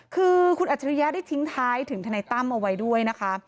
คือคุณอัจฉริยะได้ทิ้งท้ายถึงทนายตั้มเอาไว้ด้วยนะคะ